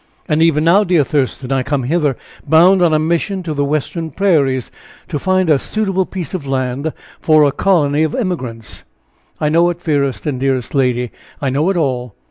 "And even now, dear Thurston, I came hither, bound on a mission to the Western prairies, to find a suitable piece of land for a colony of emigrants." "I know it, fairest and dearest lady, I know it all.